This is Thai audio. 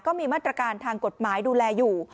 ก็มีมาตรการทางกฎหมายดูแลอยู่